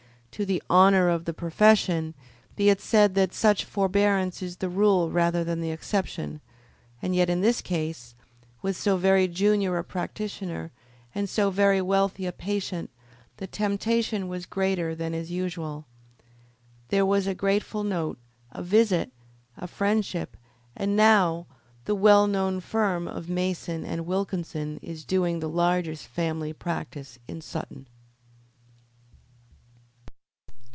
To the honour of the profession be it said that such forbearance is the rule rather than the exception, and yet in this case, with so very junior a practitioner and so very wealthy a patient, the temptation was greater than is usual. There was a grateful note, a visit, a friendship, and now the well known firm of Mason and Wilkinson is doing the largest family practice in Sutton.